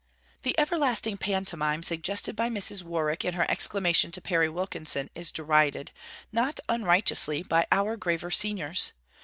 The everlasting pantomime, suggested by Mrs. Warwick in her exclamation to Perry Wilkinson, is derided, not unrighteously, by our graver seniors.